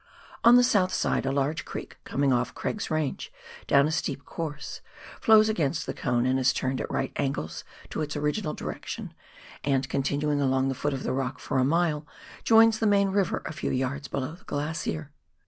On the south side a large creek coming off Craig's Eange, down a steep course, flows against the Cone, and is turned at right angles to its original direction, and, continuing along the foot of the rock for a mile, joins the main river a few yards below the glacier.